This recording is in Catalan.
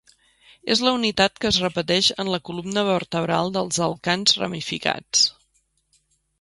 És la unitat que es repeteix en la columna vertebral dels alcans ramificats.